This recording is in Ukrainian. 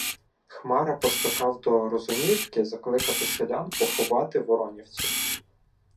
Хмара поскакав до Розуміївки закликати селян поховати воронівців.